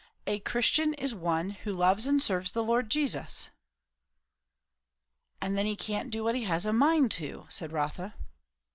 A Christian is one who loves and serves the Lord Jesus." "And then he can't do what he has a mind to," said Rotha.